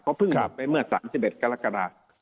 เขาเพิ่งหลุดไปเมื่อ๓๑กรกฎา